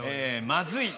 まずい。